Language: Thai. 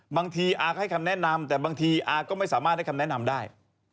บางทีอาก็ให้คำแนะนำแต่บางทีอาก็ไม่สามารถให้คำแนะนำได้